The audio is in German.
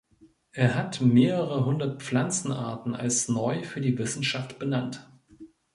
Er hat mehrere hundert Pflanzenarten als neu für die Wissenschaft benannt.